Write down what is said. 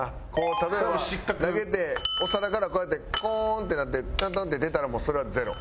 例えば投げてお皿からこうやってコーンってなってトントンって出たらもうそれはゼロ。